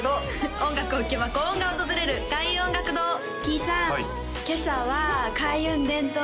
音楽を聴けば幸運が訪れる開運音楽堂キイさん